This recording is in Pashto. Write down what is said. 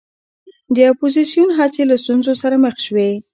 د اپوزېسیون هڅې له ستونزو سره مخ شوې.